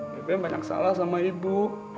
bbm banyak salah sama ibu